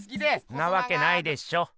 んなわけないでしょ！